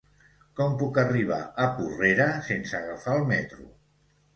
Com puc arribar a Porrera sense agafar el metro?